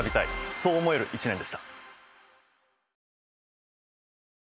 そう思える一年でした。